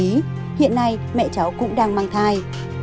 hiện nay mẹ cháu cũng đang mang thai